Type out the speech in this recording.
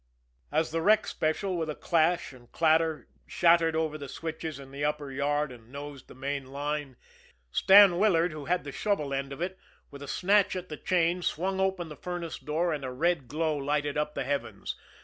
As the wreck special, with a clash and clatter, shattered over the switches in the upper yard and nosed the main line, Stan Willard, who had the shovel end of it, with a snatch at the chain swung open the furnace door and a red glow lighted up the heavens.